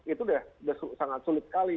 itu sudah sangat sulit sekali